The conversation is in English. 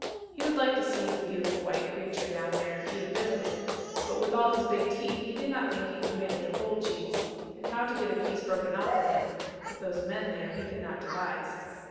He would like to see the beautiful white creature down there eat a bit of it; but with all his big teeth he did not think he could manage a whole cheese, and how to get a piece broken off for him, with those men there, he could not devise.